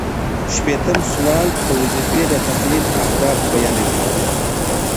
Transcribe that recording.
شپیتم سوال د وظیفې د تحلیل اهداف بیانوي.